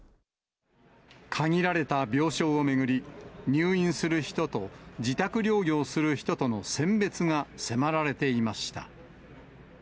限られた病床を巡り、入院する人と自宅療養する人との選別が迫られていました。